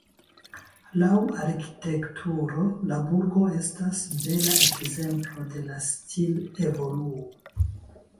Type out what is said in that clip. Laŭ arkitekturo la burgo estas bela ekzemplo de la stil-evoluo.